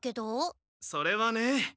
それはね。